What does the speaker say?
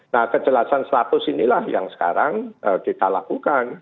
nah kejelasan status inilah yang sekarang kita lakukan